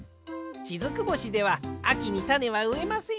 しずく星ではあきにたねはうえません！